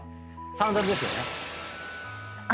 サンダルですよね？